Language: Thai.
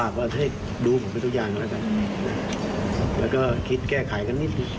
แค่นี้ยังไม่พอเลยก็